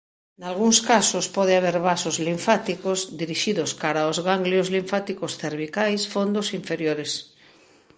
Nalgúns casos pode haber vasos linfáticos dirixidos cara aos ganglios linfáticos cervicais fondos inferiores.